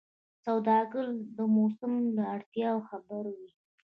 سوداګر د موسم له اړتیاوو خبر وي.